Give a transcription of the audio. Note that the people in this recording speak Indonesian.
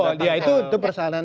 nah oh iya itu persalahan